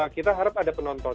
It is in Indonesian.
kita harap ada penonton